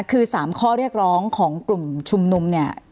คือ๓ข้อเรียกร้องของกลุ่มชุมนุมเนี่ย